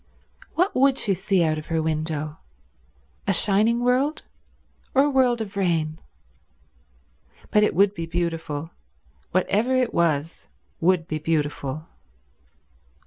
What would she see out of her window? A shining world, or a world of rain? But it would be beautiful; whatever it was would be beautiful.